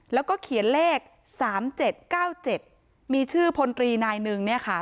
แล้วก็เขียนเลข๓๗๙๗มีชื่อพลตรีนายหนึ่งเนี่ยค่ะ